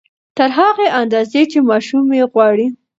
تر هغې اندازې چې ماشوم يې غواړي